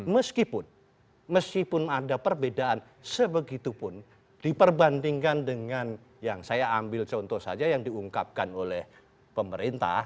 meskipun meskipun ada perbedaan sebegitu pun diperbandingkan dengan yang saya ambil contoh saja yang diungkapkan oleh pemerintah